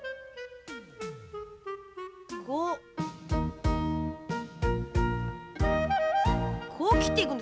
こうこうきっていくんですか？